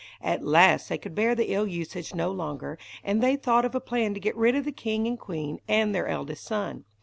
At last they could bear the ill usage no longer, and they thought of a plan to get rid of the king and queen and their eldest son.